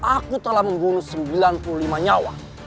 aku telah membunuh sembilan puluh lima nyawa